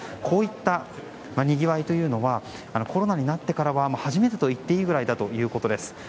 こういったにぎわいというのはコロナになってからは初めてといっていいぐらいだということです。